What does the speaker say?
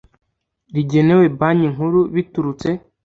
rigenewe Banki Nkuru biturutse